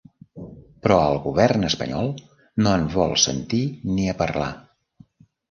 Però el govern espanyol no en vol sentir ni a parlar.